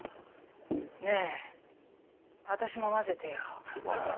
ねえ私も交ぜてよ。